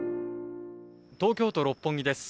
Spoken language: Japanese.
東京都六本木です。